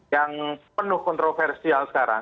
yang penuh kontroversial sekarang